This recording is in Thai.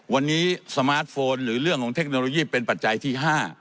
วันนี้สมาร์ทโฟนหรือเรื่องของเทคโนโลยีเป็นปัจจัยที่๕